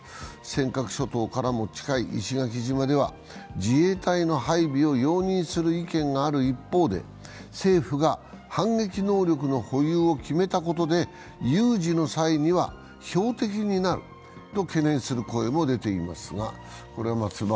尖閣諸島からも近い石垣島では自衛隊の配備を容認する意見がある一方で、政府が反撃能力の保有を決めたことで有事の際には標的になると懸念する声も出ています。